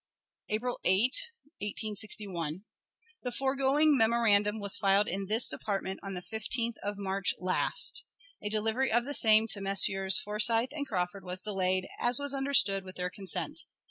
April 8, 1861. The foregoing memorandum was filed in this department on the 15th of March last. A delivery of the same to Messrs. Forsyth and Crawford was delayed, as was understood, with their consent.